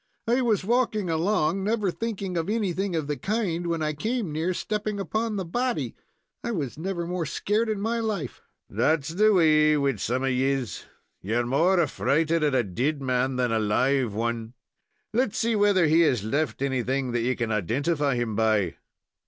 "I was walking along, never thinking of anything of the kind, when I came near stepping upon the body. I was never more scared in my life." "That's the way wid some of yees ye're more affrighted at a dead man than a live one. Let's see whether he has left anything that ye can identify him by."